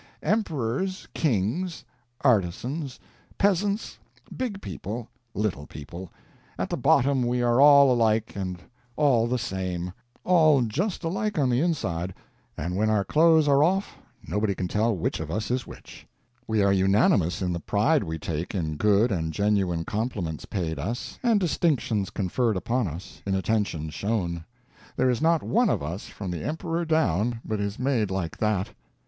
Emperors, kings, artisans, peasants, big people, little people at the bottom we are all alike and all the same; all just alike on the inside, and when our clothes are off, nobody can tell which of us is which. We are unanimous in the pride we take in good and genuine compliments paid us, and distinctions conferred upon us, in attentions shown. There is not one of us, from the emperor down, but is made like that.